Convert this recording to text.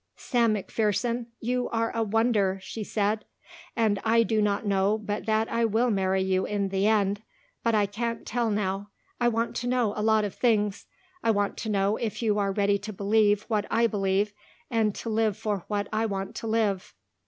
"Sam McPherson, you are a wonder," she said, "and I do not know but that I will marry you in the end, but I can't tell now. I want to know a lot of things. I want to know if you are ready to believe what I believe and to live for what I want to live."